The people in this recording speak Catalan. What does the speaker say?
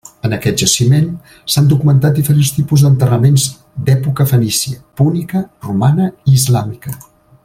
En aquest jaciment s'han documentat diferents tipus d'enterraments d'època fenícia, púnica, romana i islàmica.